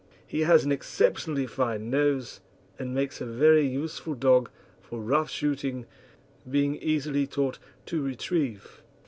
He has an exceptionally fine nose, and makes a very useful dog for rough shooting, being easily taught to retrieve.